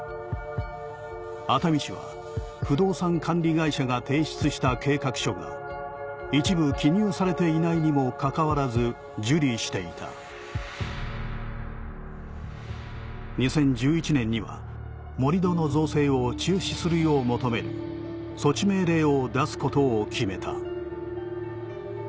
熱海市は不動産管理会社が提出した計画書が一部記入されていないにもかかわらず受理していた２０１１年には盛り土の造成を中止するよう求める措置命令を出すことを決めた